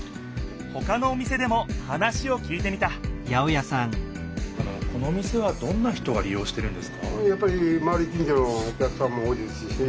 ほかのお店でも話をきいてみたあのこのお店はどんな人がり用してるんですか？